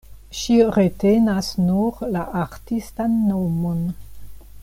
Ŝi retenas nur la artistan nomon.